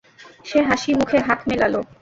সে হাসি মুখে হাত মেলালো।